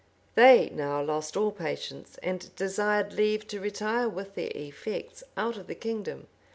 They now lost all patience, and desired leave to retire with their effects out of the kingdom.